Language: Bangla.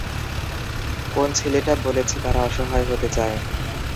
কোন ছেলেটা বলেছে তারা অসহায় হতে চায়?